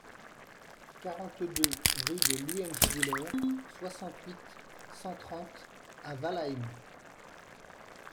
quarante-deux rue de Luemschwiller, soixante-huit, cent trente à Walheim